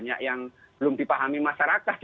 yang belum dipahami masyarakat